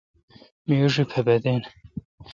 می ایݭی پپتیں۔